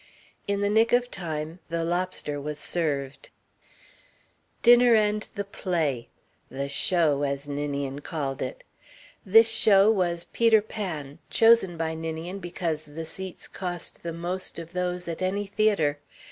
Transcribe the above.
In the nick of time, the lobster was served. Dinner and the play the show, as Ninian called it. This show was "Peter Pan," chosen by Ninian because the seats cost the most of those at any theatre.